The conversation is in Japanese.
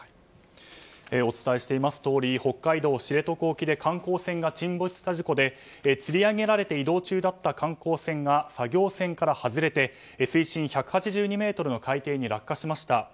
お伝えしていますとおり北海道知床沖で観光船が沈没した事故でつり上げられて移動中だった観光船が作業船から外れて水深１８２ｍの海底に落下しました。